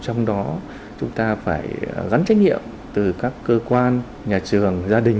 trong đó chúng ta phải gắn trách nhiệm từ các cơ quan nhà trường gia đình